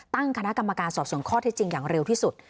ตั้งคณะกรรมการสอบส่วนข้อเท็จจริงอย่างเร็วที่สุด